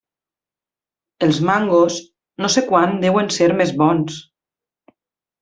Els mangos, no sé quan deuen ser més bons.